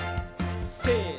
せの。